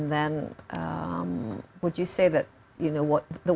dan apakah anda mengatakan bahwa